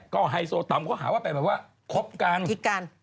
รอเหมือนกัน